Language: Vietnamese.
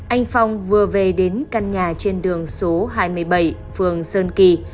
anh phong vừa về đến căn nhà trên đường số hai mươi bảy phường sơn kỳ